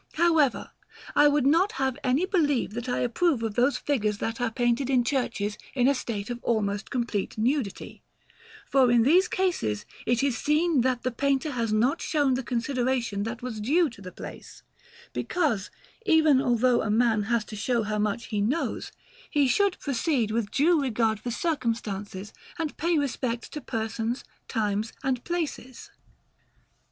However, I would not have any believe that I approve of those figures that are painted in churches in a state of almost complete nudity, for in these cases it is seen that the painter has not shown the consideration that was due to the place; because, even although a man has to show how much he knows, he should proceed with due regard for circumstances and pay respect to persons, times, and places.